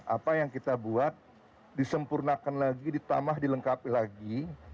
apa yang kita buat disempurnakan lagi ditambah dilengkapi lagi